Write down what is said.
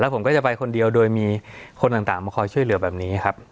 ผมก็จะไปคนเดียวโดยมีคนต่างมาคอยช่วยเหลือแบบนี้ครับ